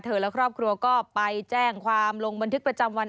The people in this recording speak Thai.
และครอบครัวก็ไปแจ้งความลงบันทึกประจำวัน